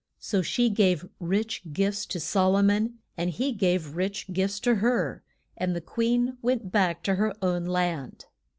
So she gave rich gifts to Sol o mon, and he gave rich gifts to her, and the queen went back to her own land.